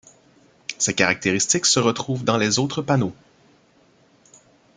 Ces caractéristiques se retrouvent dans les autres panneaux.